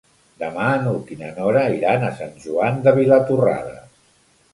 Demà n'Hug i na Nora iran a Sant Joan de Vilatorrada.